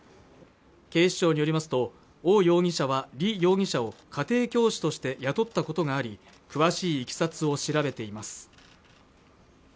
警視庁によりますと王容疑者は李容疑者を家庭教師として雇ったことがあり詳しい経緯を調べています